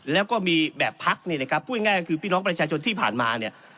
แล้วก็มีแบบพักนี่นะครับพูดง่ายก็คือพี่น้องประชาชนที่ผ่านมาเนี่ย